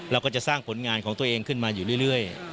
เราก็จะสร้างผลงานของตัวเองขึ้นมาอยู่เรื่อย